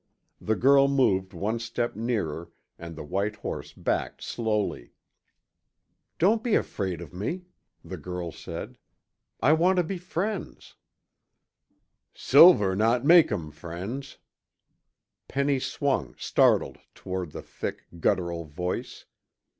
The girl moved one step nearer, and the white horse backed slowly. "Don't be afraid of me," the girl said, "I want to be friends." "Silver not make um friends." Penny swung, startled, toward the thick, guttural voice.